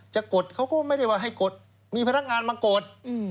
กดเขาก็ไม่ได้ว่าให้กดมีพนักงานมากด